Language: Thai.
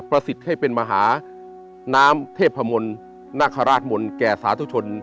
สิทธิ์ให้เป็นมหาน้ำเทพมนต์นาคาราชมนต์แก่สาธุชน